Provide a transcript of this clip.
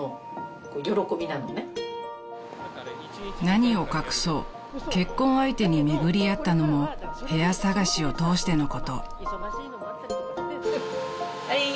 ［何を隠そう結婚相手に巡り会ったのも部屋探しを通してのこと］